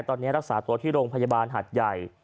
ตอนนี้รักษาตัวที่โรงพยาบาลหัดใหญ่